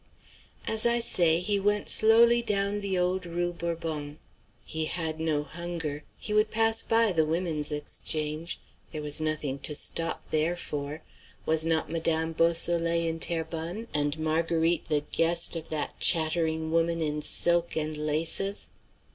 As I say, he went slowly down the old rue Bourbon. He had no hunger; he would pass by the Women's Exchange. There was nothing to stop there for; was not Madame Beausoleil in Terrebonne, and Marguerite the guest of that chattering woman in silk and laces?